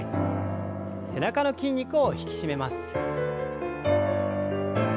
背中の筋肉を引き締めます。